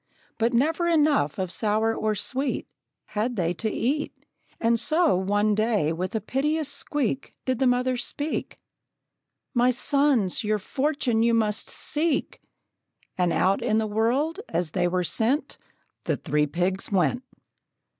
But never enough of sour or sweet Had they to eat; And so, one day, with a piteous squeak, Did the mother speak: "My sons, your fortune you must seek!" And out in the world, as they were sent, The three pigs went.